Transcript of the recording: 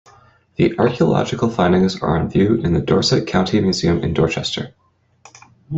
The archaeological findings are on view in the Dorset County Museum in Dorchester.